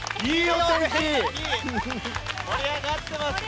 盛り上がってますね。